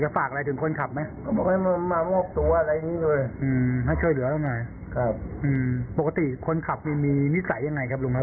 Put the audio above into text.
ปกติคนขับมีนิสัยอย่างไรครับลุงครับ